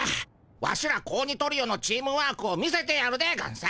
ワシら子鬼トリオのチームワークを見せてやるでゴンス！